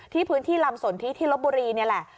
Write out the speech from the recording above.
ที่พื้นที่ลำสนที่ธิลบุรีเนี่ยแหละ